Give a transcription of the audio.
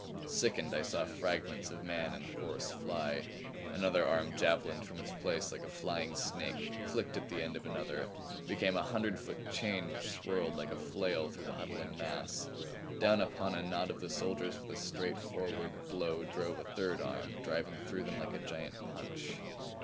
Sickened, I saw fragments of man and horse fly. Another arm javelined from its place like a flying snake, clicked at the end of another, became a hundred foot chain which swirled like a flail through the huddling mass. Down upon a knot of the soldiers with a straight forward blow drove a third arm, driving through them like a giant punch.